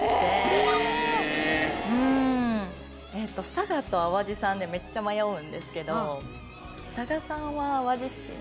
佐賀と淡路産でめっちゃ迷うんですけど。